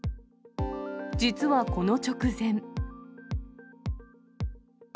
実はこの直前。